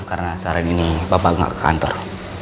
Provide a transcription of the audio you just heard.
karena seharian ini bapak gak ke kantor